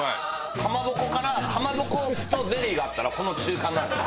かまぼこからかまぼことゼリーがあったらこの中間なんですよ。